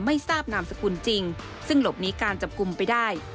ไม่ทราบนามสกุลจริงซึ่งหลบหนีการจับกลุ่มไปได้